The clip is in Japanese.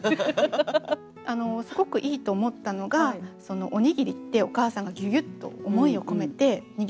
すごくいいと思ったのがおにぎりってお母さんがギュギュッと思いを込めて握ってますよね。